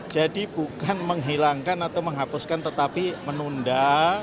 jadi bukan menghilangkan atau menghapuskan tetapi menunda